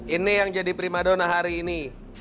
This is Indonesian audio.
ini yang jadi primadona hari ini